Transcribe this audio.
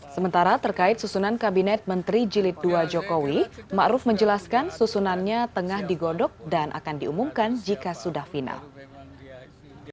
sementara terkait susunan kabinet menteri jilid ii jokowi ⁇ maruf ⁇ menjelaskan susunannya tengah digodok dan akan diumumkan jika sudah final